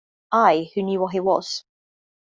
I, who knew what he was.